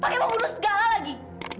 pakai membunuh segala lagi